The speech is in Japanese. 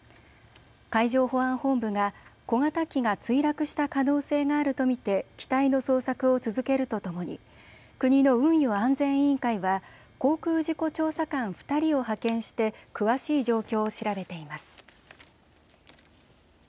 海上保安本部が小型機が墜落した可能性があると見て機体の捜索を続けるとともに国の運輸安全委員会は航空事故調査官２人を派遣して詳しい状況を調べています。